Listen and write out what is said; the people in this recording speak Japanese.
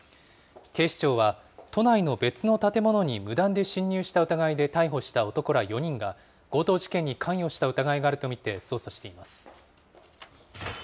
警視庁は、都内の別の建物に無断で侵入した疑いで逮捕した男ら４人が、強盗事件に関与した疑いがあると見て捜査しています。